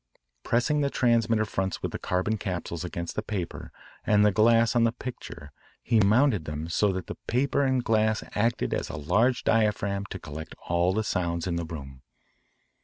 Pressing the transmitter fronts with the carbon capsules against the paper and the glass on the picture he mounted them so that the paper and glass acted as a large diaphragm to collect all the sounds in the room.